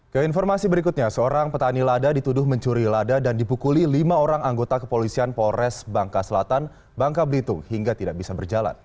keinformasi berikutnya seorang petani lada dituduh mencuri lada dan dipukuli lima orang anggota kepolisian polres bangka selatan bangka belitung hingga tidak bisa berjalan